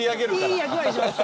いい役割します。